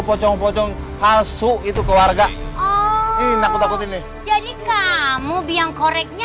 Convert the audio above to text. pocong pocong halsu itu keluarga ini nakut nakut ini jadi kamu biang koreknya